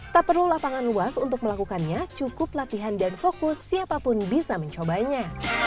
tak perlu lapangan luas untuk melakukannya cukup latihan dan fokus siapapun bisa mencobanya